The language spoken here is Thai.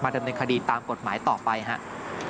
ดำเนินคดีตามกฎหมายต่อไปครับ